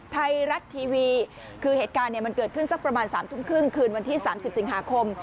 ไทยรัฐทีวีคือเหตุการณ์มันเกิดขึ้นสักประมาณ๓ทุ่มครึ่งคืนวันที่๓๐สิงหาคม